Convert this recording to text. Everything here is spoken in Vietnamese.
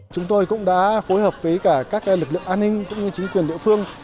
chúng tôi cũng đã phối hợp với cả các lực lượng an ninh cũng như chính quyền địa phương